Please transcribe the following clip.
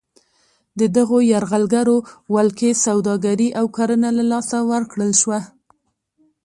د دغو یرغلګرو ولکې سوداګري او کرنه له لاسه ورکړل شوه.